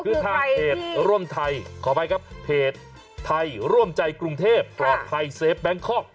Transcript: คือทางเพจร่วมไทยขออภัยครับเพจไทยร่วมใจกรุงเทพปลอดภัยเซฟแบงคอก